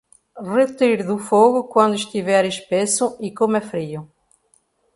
Retire do fogo quando estiver espesso e coma frio.